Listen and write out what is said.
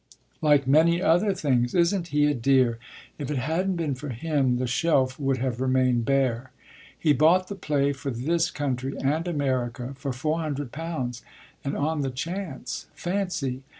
"Like many other things. Isn't he a dear? If it hadn't been for him the shelf would have remained bare. He bought the play for this country and America for four hundred pounds, and on the chance: fancy!